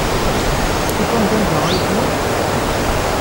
Tufam-d anda ay tella.